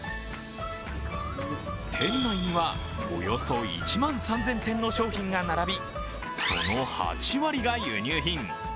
店内には、およそ１万３０００点の商品が並び、その８割が輸入品。